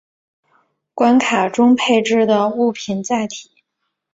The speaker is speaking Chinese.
关卡中配置的物品载体。